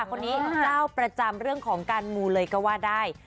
คนนี้เจ้าประจำเรื่องของการมูเลยก็ว่าได้